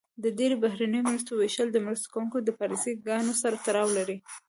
د ډیری بهرنیو مرستو ویشل د مرسته کوونکو د پالیسي ګانو سره تړاو لري.